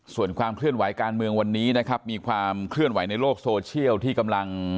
ส่วนความเคลื่อนไหวการเมืองวันนี้นะครับมีความเคลื่อนไหวในโลกโซเชียลที่กำลัง